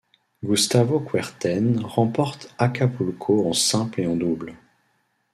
Gustavo Kuerten remporte Acapulco en simple et en double.